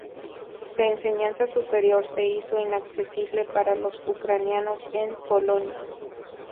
La enseñanza superior se hizo inaccesible para los ucranianos en Polonia.